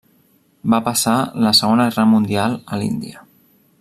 Va passar la Segona Guerra Mundial a l'Índia.